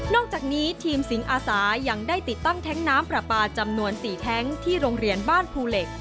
อกจากนี้ทีมสิงอาสายังได้ติดตั้งแท้งน้ำปลาปลาจำนวน๔แท้งที่โรงเรียนบ้านภูเหล็ก